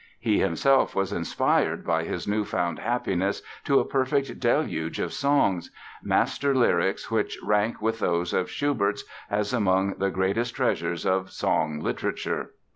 He himself was inspired by his new found happiness to a perfect deluge of songs—master lyrics which rank with those of Schubert as among the greatest treasurers of song literature.